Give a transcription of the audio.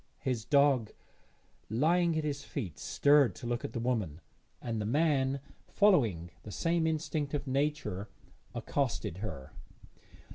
His dog lying at his feet stirred to look at the woman, and the man, following the same instinct of nature, accosted her.